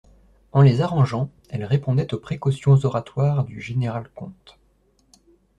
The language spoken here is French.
En les arrangeant, elle répondait aux précautions oratoires du général-comte.